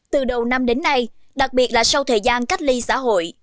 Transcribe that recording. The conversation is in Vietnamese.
từ đầu năm đến nay đặc biệt là sau thời gian cách ly xã hội